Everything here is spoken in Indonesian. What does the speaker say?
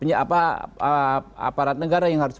aparat negara yang harus